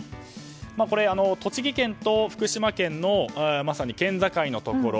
これ、栃木県と福島県のまさに県境のところ。